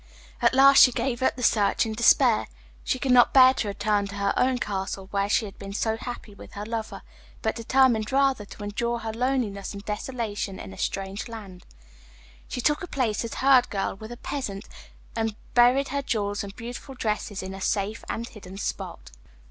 At last she gave up the search in despair. She could not bear to return to her own castle where she had been so happy with her lover, but determined rather to endure her loneliness and desolation in a strange land. She took a place as herd girl with a peasant, and buried her jewels and beautiful dresses in a safe and hidden spot.